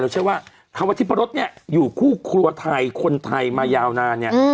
เราใช้แบบถ้าว่าทิพรรดเนี่ยอยู่คู่ครัวไทยคนไทยมายาวนานเนี่ย